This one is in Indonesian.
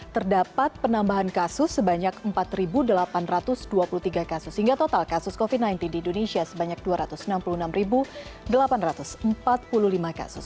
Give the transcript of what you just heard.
terdapat penambahan kasus sebanyak empat delapan ratus dua puluh tiga kasus sehingga total kasus covid sembilan belas di indonesia sebanyak dua ratus enam puluh enam delapan ratus empat puluh lima kasus